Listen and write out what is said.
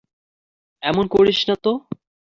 এমন করিস না তো।